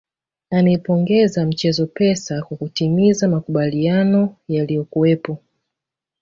Anaipongeza mchezo Pesa kwa kutimiza makubaliano yaliyokuwepo